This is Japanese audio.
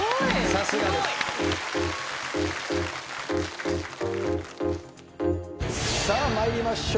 さすがです。さあ参りましょう。